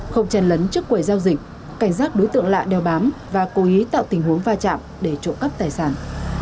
không chèn lấn trước quầy giao dịch cảnh giác đối tượng lạ đeo bám và cố ý tạo tình huống va chạm để trộn cấp tài sản